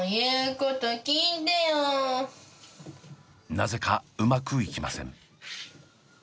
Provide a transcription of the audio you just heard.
なぜかうまくいきません。